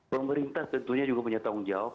pemerintah tentunya juga punya tanggung jawab